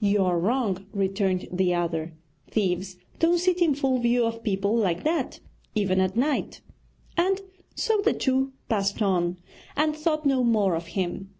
'You are wrong,' returned the other, 'thieves don't sit in full view of people like that, even at night.' And so the two passed on, and thought no more of him.